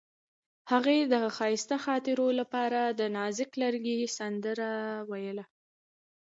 هغې د ښایسته خاطرو لپاره د نازک لرګی سندره ویله.